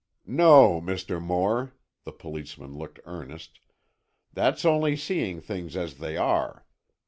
"No, Mr. Moore," the policeman looked earnest, "that's only seeing things as they are.